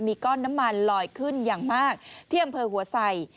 มีก้อนน้ำมันลอยขึ้นอย่างมากที่อำเภอหัวใส่